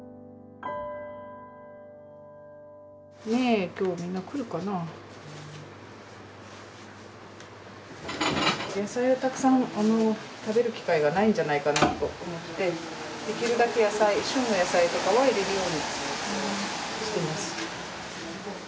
野菜をたくさん食べる機会がないんじゃないかなと思ってできるだけ野菜旬の野菜とかは入れるようにしています。